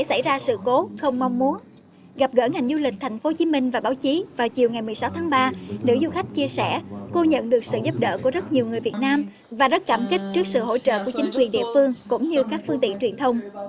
gặp gỡ ngành du lịch tp hcm và báo chí vào chiều ngày một mươi sáu tháng ba nữ du khách chia sẻ cô nhận được sự giúp đỡ của rất nhiều người việt nam và rất cảm kích trước sự hỗ trợ của chính quyền địa phương cũng như các phương tiện truyền thông